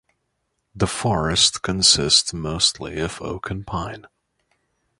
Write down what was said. The forest consists mostly of oak and pine.